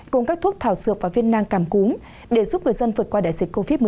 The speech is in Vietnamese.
cùng các thuốc thảo dược và viên nang cảm cúm để giúp người dân vượt qua đại dịch covid một mươi